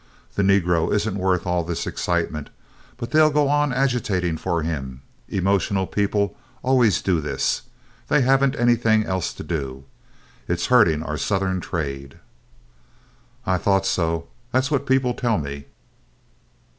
The negro isn't worth all this excitement, but they'll go on agitating for him—emotional people always do this. They haven't anything else to do. It's hurting our Southern trade." "I thought so. That's what people tell me."